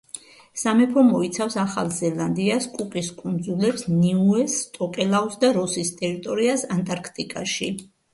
სამეფო მოიცავს: ახალ ზელანდიას, კუკის კუნძულებს, ნიუეს, ტოკელაუს და როსის ტერიტორიას ანტარქტიკაში.